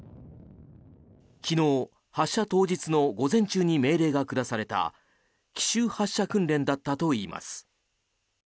昨日、発射当日の午前中に命令が下された奇襲発射訓練だったといいます。